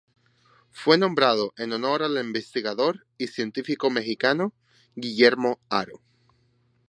Fue nombrado en honor al investigador y científico mexicano Guillermo Haro.